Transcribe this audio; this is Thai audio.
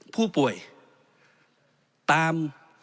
ผู้ป่วยตาม